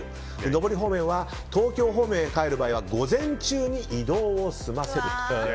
上り方面東京方面へ帰る場合は午前中に移動を済ませる。